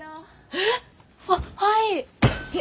えっあっはい。